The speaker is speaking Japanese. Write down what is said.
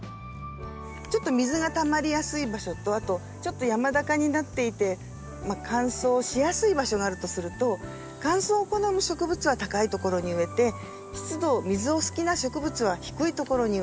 ちょっと水がたまりやすい場所とあとちょっと山高になっていて乾燥しやすい場所があるとすると乾燥を好む植物は高い所に植えて湿度水を好きな植物は低い所に植えて。